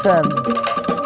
saya memang gak pesen